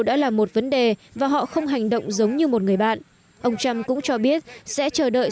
đã là một vấn đề và họ không hành động giống như một người bạn ông trump cũng cho biết sẽ chờ đợi